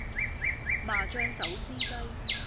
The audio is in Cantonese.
麻醬手撕雞